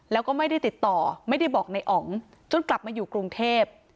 แล้วก็ไม่ได้ติดต่อไม่ได้บอกในอ๋องจนกลับมาอยู่กรุงเทพ